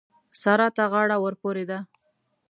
سارا ته غاړه ورپورې ده.